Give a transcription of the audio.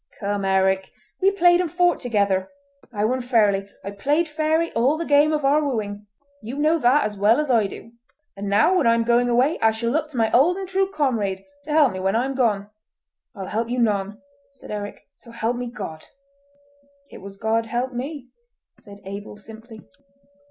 Come, Eric! we played and fought together. I won fairly. I played fairly all the game of our wooing! You know that as well as I do; and now when I am going away, I shall look to my old and true comrade to help me when I am gone!" "I'll help you none," said Eric, "so help me God!" "It was God helped me," said Abel simply.